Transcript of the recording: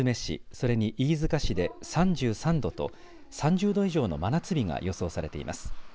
それに飯塚市で３３度と３０度以上の真夏日が予想されています。